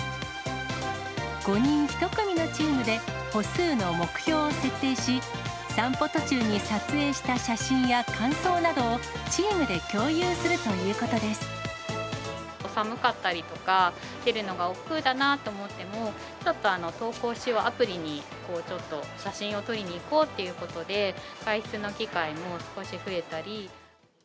５人１組のチームで、歩数の目標を設定し、散歩途中に撮影した写真や感想などをチームで共有するということ寒かったりとか、出るのが億劫だなと思っても、ちょっと投稿しよう、アプリに、ちょっと写真を撮りに行こうということで、外出の機会も少し増えたり。